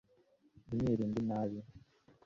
nti mwirinde inabi